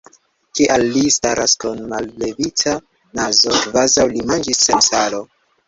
Kial li staras kun mallevita nazo, kvazaŭ li manĝis sen salo?